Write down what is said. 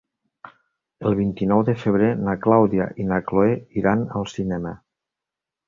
El vint-i-nou de febrer na Clàudia i na Cloè iran al cinema.